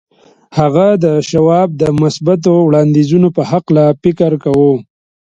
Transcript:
هغه د شواب د مثبتو وړانديزونو په هکله يې فکر کاوه.